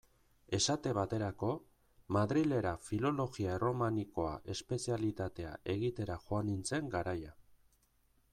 Esate baterako, Madrilera Filologia Erromanikoa espezialitatea egitera joan nintzen garaia.